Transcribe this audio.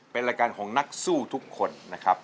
เป็นรายการของนักสู้ทุกคนนะครับ